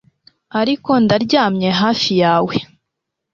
Ariko ndaryamye hafi yawe